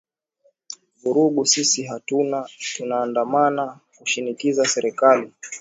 vurugu sisi hatuna tunaandamana kushinikiza serikali